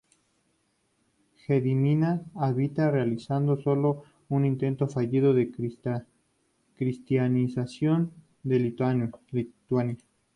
Gediminas había realizado sólo un intento fallido de cristianización de Lituania.